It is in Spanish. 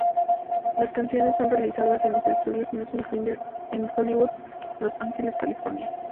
Las canciones son realizadas en los Estudios Music Grinder en Hollywood, Los Angeles, California.